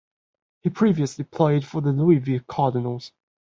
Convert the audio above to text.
He previously played for the Louisville Cardinals.